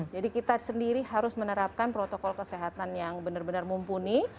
jadi kita sendiri harus menerapkan protokol kesehatan yang benar benar mumpuni